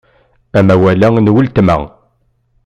Amawal-a n weltma.